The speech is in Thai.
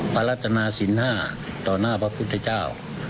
ปรัจนาสินห้าต่อหน้าพระพุทธเจ้า